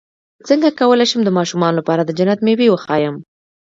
څنګه کولی شم د ماشومانو لپاره د جنت مېوې وښایم